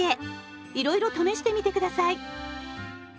いろいろ試してみて下さい。